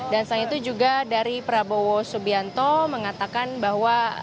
selain itu juga dari prabowo subianto mengatakan bahwa